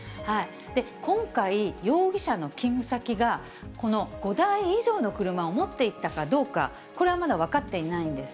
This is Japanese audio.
今回、容疑者の勤務先が、この５台以上の車を持っていたかどうか、これはまだ分かっていないんです。